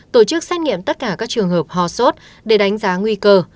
tổ chức xét nghiệm tất cả các trường hợp hò sốt để đánh giá nguy cơ